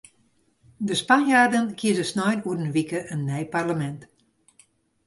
De Spanjaarden kieze snein oer in wike in nij parlemint.